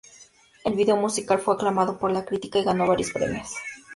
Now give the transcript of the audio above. El video musical fue aclamado por la crítica y ganó varios premios.